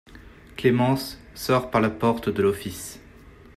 Clémence sort par la porte de l’office.